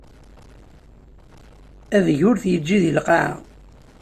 Adeg ur t-yeǧǧi di lqaɛa.